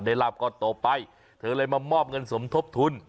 ลาบก้อนโตไปเธอเลยมามอบเงินสมทบทุน